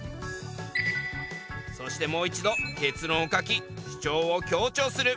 そしてもう一度結論を書き主張を強調する。